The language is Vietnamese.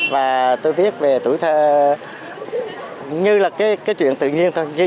và tôi viết về tuổi thơ như là cái chuyện tự nhiên thôi